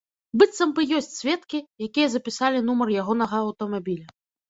Быццам бы ёсць сведкі, якія запісалі нумар ягонага аўтамабіля.